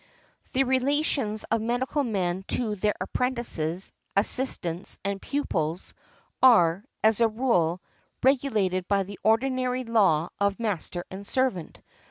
The relations of medical men to their apprentices, assistants and pupils, are, as a rule, regulated by the ordinary law of master and servant.